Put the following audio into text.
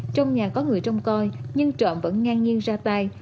trong nhà có người trông coi nhưng trọn vẫn ngang nhiên ra tay